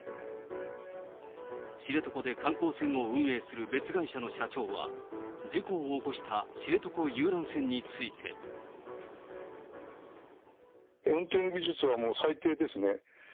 知床で観光船を運営する別会社の社長は、事故を起こした知床遊覧船について。運転技術はもう、最低ですね。